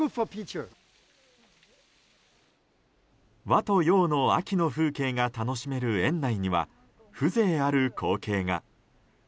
和と洋の秋の風景が楽しめる園内には、風情ある光景が。